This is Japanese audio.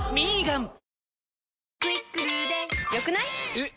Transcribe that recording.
えっ！